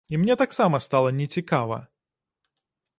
І мне таксама стала нецікава.